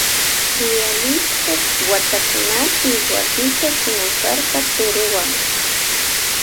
Yalishka watakunapi wasita shinan karka turuwan.